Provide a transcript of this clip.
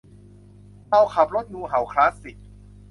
เขาขับรถงูเห่าคลาสสิค